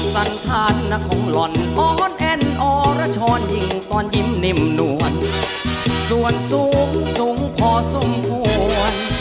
สูงสูงพอสมพวน